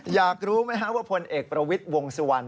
อยากรู้ไหมครับว่าพลเอกประวิทย์วงสุวรรณ